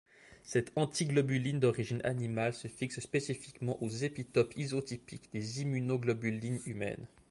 Cette antiglobuline, d'origine animale, se fixe spécifiquement aux épitopes isotypiques des immunoglobulines humaines.